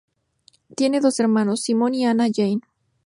Tiene dos hermanos, Simon y Anna Jane.